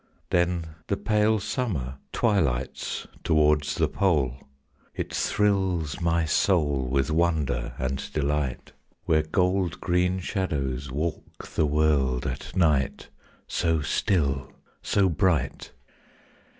Then the pale summer twilights towards the pole! It thrills my soul With wonder and delight, When gold green shadows walk the world at night, So still, so bright.